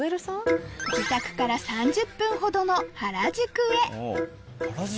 自宅から３０分ほどの原宿へザッスザッス。